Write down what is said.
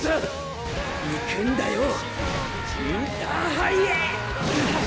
行くんだよインターハイへ！